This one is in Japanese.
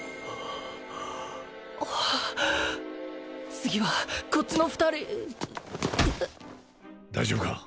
次はこっちの２人大丈夫か？